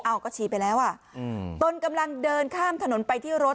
อ้าวก็ชี้ไปแล้วอ่ะตนกำลังเดินข้ามถนนไปที่รถ